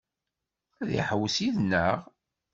Ad iḥewwes yid-neɣ?